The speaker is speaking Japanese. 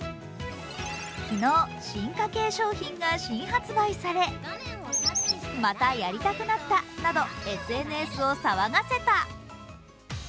昨日、進化系商品が新発売され、またやりたくなったなど、ＳＮＳを騒がせた。